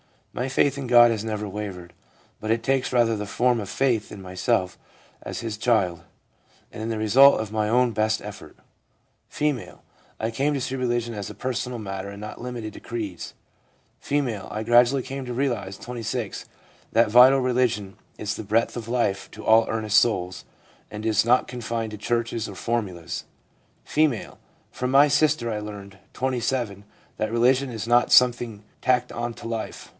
My faith in God has never wavered, but it takes rather the form of faith in myself as His child, and in the result of my own best effort/ F. ' I came to see religion as a personal matter and not limited to creeds.' F. * I gradually came to realise (26) that vital religion is the breath of life to all earnest souls, and is not confined to churches or formulas/ F. 'From my sister I learned (27) that religion is not something tacked on to life.